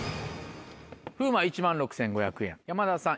風磨１万６５００円山田さん